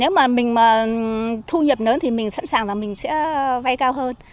nếu mà mình thu nhập lớn thì mình sẵn sàng là mình sẽ vay cao hơn